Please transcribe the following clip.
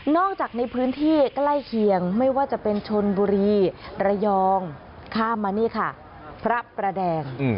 จากในพื้นที่ใกล้เคียงไม่ว่าจะเป็นชนบุรีระยองข้ามมานี่ค่ะพระประแดง